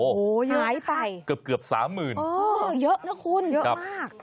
โอ้โหหายไปเกือบสามหมื่นเออเยอะนะคุณเยอะมาก